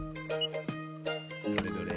どれどれ？